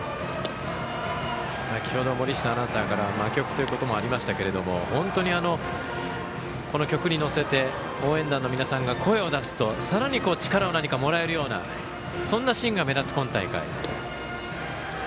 先ほど、森下アナウンサーから魔曲という言葉もありましたけど本当にこの曲に乗せて応援団の皆さんが声を出すとさらに力をもらえるようなそんなシーンが目立つ、今大会。